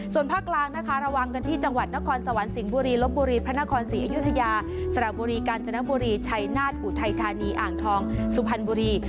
ส่วนภาคนางก์นะคะระวังกันที่จังหวัดนครสวรรค์สียุทยาสลับบุรีกาลจะนักบุรีไชนวดอุไทธานีอ่างทองสุพันธ์บุรี